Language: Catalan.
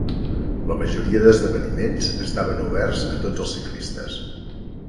La majoria d'esdeveniments estaven oberts a tots els ciclistes.